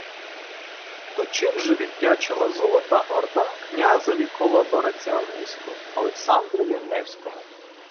То чим же віддячила Золота Орда князеві-колабораціоністу Олександрові Невському?